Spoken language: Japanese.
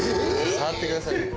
触ってください。